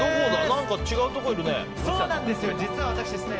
何か違うところにいいるね。